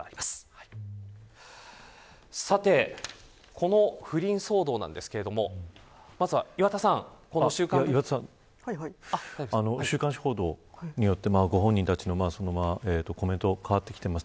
この不倫騒動なんですがまずは、岩田さん週刊誌報道によってご本人たちのコメントが変わってきています。